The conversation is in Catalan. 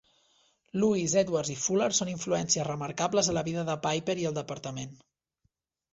Lewis, Edwards i Fuller són influències remarcables a la vida de Piper i el departament.